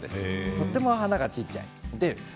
とても花が小さい。